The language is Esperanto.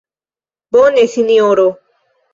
Bone, Sinjoro.